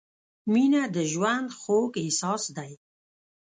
• مینه د ژوند خوږ احساس دی.